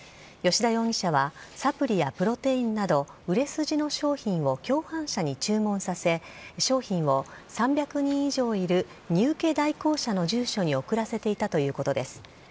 吉田容疑者は、サプリやプロテインなど、売れ筋の商品を共犯者に注文させ、商品を３００人以上いる荷受け代行者の住所に送らせていたということです。